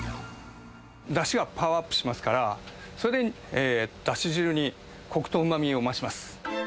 だしがパワーアップしますから、それでだし汁にこくとうまみを増します。